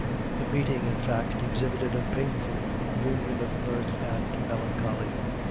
The meeting, in fact, exhibited a painful union of mirth and melancholy.